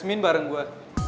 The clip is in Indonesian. yasmin bareng gua